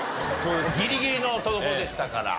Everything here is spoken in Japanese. ギリギリのとこでしたから。